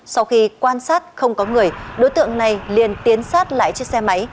sau khi quan sát không có người đối tượng này liền tiến sát lại chiếc xe máy